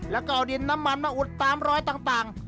แล้วก็เอาดินน้ำมันมาอุดตามรอยต่าง